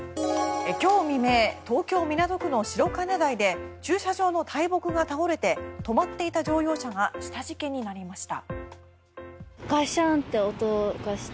今日未明、東京・港区の白金台で駐車場の大木が倒れて止まっていた乗用車が下敷きになりました。